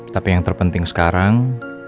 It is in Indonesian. tapi yang terpenting sekarang